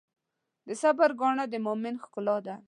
د صبر ګاڼه د مؤمن ښکلا ده.